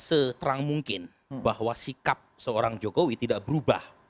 seterang mungkin bahwa sikap seorang jokowi tidak berubah